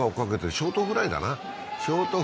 ショートフライだな。